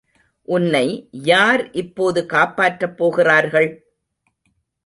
உன்னை யார் இப்போது காப்பாற்றப் போகிறார்கள்?